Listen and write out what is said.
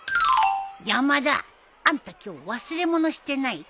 山田あんた今日忘れ物してない？